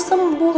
dia mau sembuh